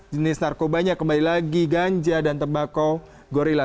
jenis narkobanya kembali lagi ganja dan tembakau gorilla